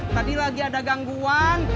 tadi lagi ada gangguan